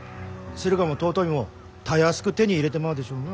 駿河も遠江もたやすく手に入れてまうでしょうな。